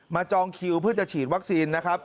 มาจองคิวเพื่อจะฉีดวัสดิ์แวคสีนนะครับ